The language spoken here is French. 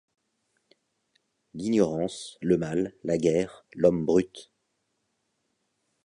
L'ignorance, le mal, la guerre, l'homme brute